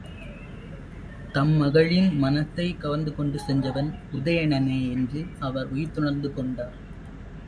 தம் மகளின் மனத்தைக் கவர்ந்துகொண்டு சென்றவன் உதயணனே என்று அவர் உய்த்துணர்ந்து கொண்டார்.